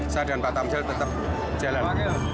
saya dan pak tamsel tetap jalan